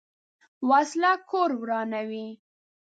وسله کور ورانوي